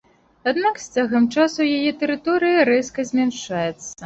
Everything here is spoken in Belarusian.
Аднак з цягам часу яе тэрыторыя рэзка змяншаецца.